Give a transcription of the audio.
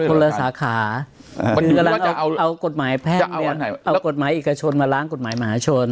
คนละสาขาเอากฎหมายแพทย์เนี่ยเอากฎหมายเอกชนมาล้างกฎหมายมหาชน